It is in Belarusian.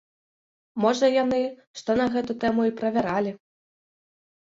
Можа яны што на гэту тэму і правяралі.